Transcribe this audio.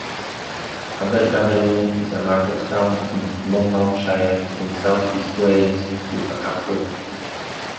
Abergavenny is a market town in Monmouthshire in south east Wales, with a castle.